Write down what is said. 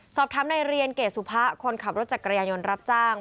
สอบทำในเรียนเกษุภะคนขับรถจักรยายนรับจ้าง